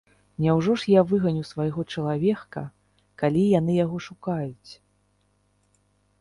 Няўжо ж я выганю свайго чалавека, калі яны яго шукаюць?